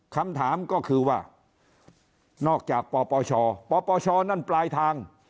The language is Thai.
คำถามก็คือว่านอกจากปปชปปชนั่นปลายทาง